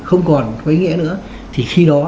không còn cái nghĩa nữa thì khi đó